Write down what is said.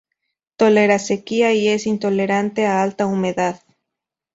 Tolera sequía, y es intolerante a alta humedad.